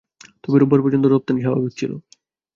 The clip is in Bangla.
তবে রোববার পর্যন্ত রপ্তানি স্বাভাবিক ছিল।